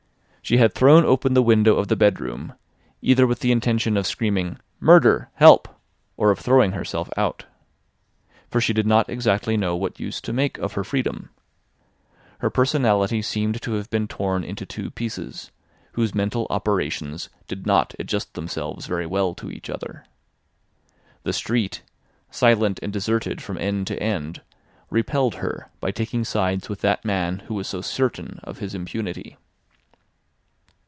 She had thrown open the window of the bedroom either with the intention of screaming Murder! Help! or of throwing herself out. For she did not exactly know what use to make of her freedom. Her personality seemed to have been torn into two pieces, whose mental operations did not adjust themselves very well to each other. The street, silent and deserted from end to end, repelled her by taking sides with that man who was so certain of his impunity.